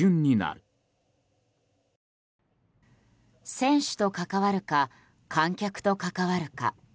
選手と関わるか観客と関わるか。